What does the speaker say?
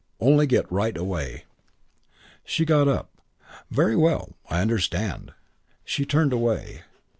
Only get right away." She got up. "Very well. I understand." She turned away.